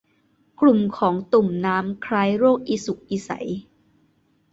กลุ่มของตุ่มน้ำคล้ายโรคอีสุกอีใส